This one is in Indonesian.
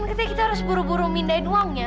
kan kita harus buru buru mindain uangnya